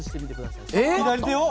左手を？